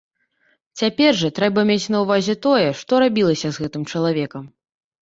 Цяпер жа трэба мець на ўвазе тое, што рабілася з гэтым чалавекам.